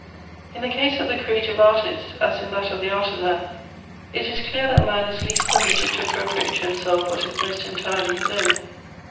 " In the case of the creative artist, as in that of the artisan, it is clear that man is least permitted to appro priate to himself what is most entirely his own.